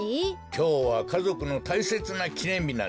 きょうはかぞくのたいせつなきねんびなんじゃぞ。